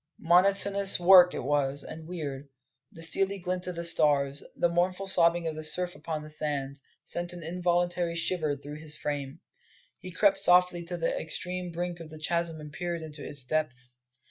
Monotonous work it was, and weird. The steely glint of the stars, the mournful sobbing of the surf upon the sands, sent an involuntary shiver through his frame. He crept softly to the extreme brink of the chasm and peered into its depths.